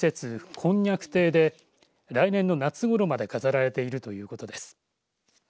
こんにゃく亭で来年の夏ごろまで飾られているということです。